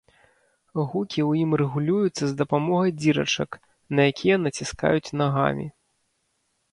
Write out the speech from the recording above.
Гукі ў ім рэгулююцца з дапамогай дзірачак, на якія націскаюць нагамі.